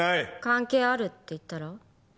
関係あるって言ったら？